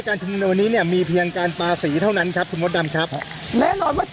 ทางกลุ่มมวลชนทะลุฟ้าทางกลุ่มมวลชนทะลุฟ้า